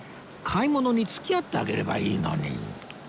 買い物に付き合ってあげればいいのに